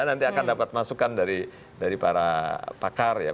nanti akan dapat masukan dari para pakar ya